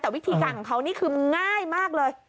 แต่วิธีการของเขานี่คือง่ายมากเลย